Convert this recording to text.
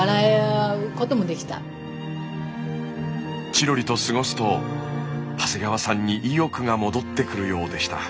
チロリと過ごすと長谷川さんに意欲が戻ってくるようでした。